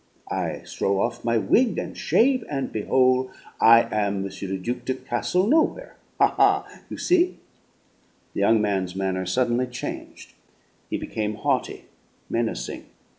I throw off my wig, and shave, and behol', I am M. le Duc de Castle Nowhere. Ha, ha! You see?" The young man's manner suddenly changed. He became haughty, menacing.